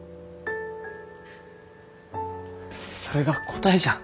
それが答えじゃん。